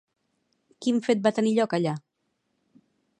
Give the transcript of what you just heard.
Quin fet va tenir lloc allà?